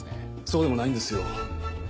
そうでもないんですよ。